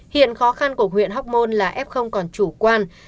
hiện khó khăn của huyện hóc môn là f không còn chủ quan